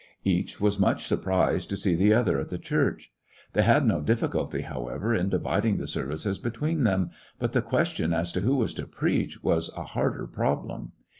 Each was much surprised to see the other at the church. They had no difBlculty, however, in dividing the services between them, but the question as to who was to preach was a harder prob lem.